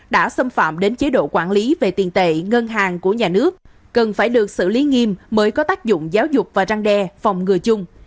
đã xâm phạm đến chế độ quản lý về tiền tệ ngân hàng của nhà nước cần phải được xử lý nghiêm mới có tác dụng giáo dục và răng đe phòng ngừa chung